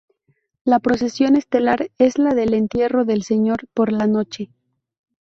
La procesión estelar es la del Entierro del Señor, por la noche.